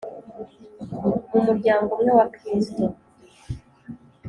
mu muryango umwe wa Kristo